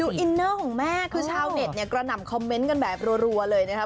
อินเนอร์ของแม่คือชาวเน็ตเนี่ยกระหน่ำคอมเมนต์กันแบบรัวเลยนะครับ